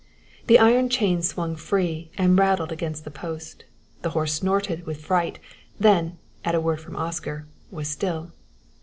The iron chain swung free and rattled against the post, and the horse snorted with fright, then, at a word from Oscar, was still.